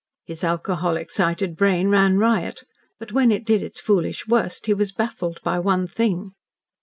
His alcohol excited brain ran riot but, when it did its foolish worst, he was baffled by one thing.